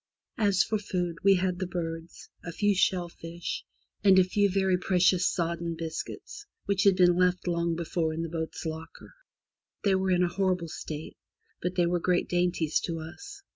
As for food, we had the birds, a few shellfish, and a few very precious sodden biscuits, which had been left long before in the boat's locker. They were in a horrible state, but they were great dainties to us.